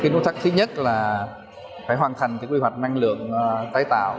nút thắt thứ nhất là phải hoàn thành quy hoạch năng lượng tái tạo